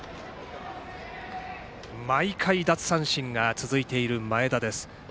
毎回奪三振が続いている前田です。